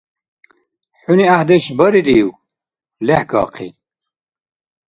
ХӀуни гӀяхӀдеш баррив - лехӀкахъи,